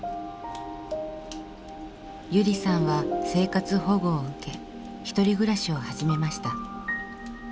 ゆりさんは生活保護を受け１人暮らしを始めました。